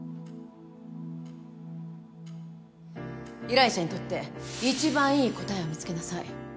依頼者にとって一番いい答えを見つけなさい